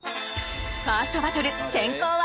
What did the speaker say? ファーストバトル先攻は？